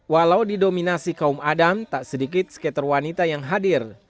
walau didominasi kaum adam tak sedikit skater wanita yang hadir